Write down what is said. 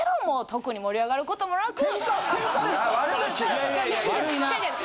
特に盛り上がることもなく。